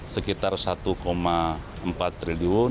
sekitar satu empat triliun